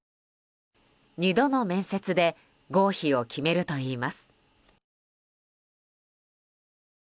２度の面接で合否を決めるといいます。